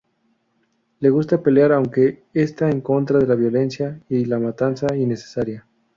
Le gusta pelear aunque esta en contra de la violencia y la matanza innecesaria.